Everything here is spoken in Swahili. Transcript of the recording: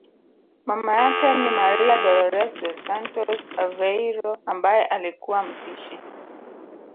Mama yake ni Maria Dolores dos Santos Aveiro ambaye alikuwa mpishi